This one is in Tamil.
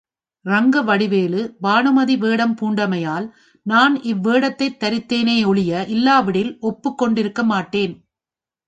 ரங்கவடிவேலு பானுமதி வேடம் பூண்டமையால், நான் இவ் வேடத்தைத் தரித்தேனே யொழிய இல்லாவிடில் ஒப்புக் கொண்டிருக்க மாட்டேன்.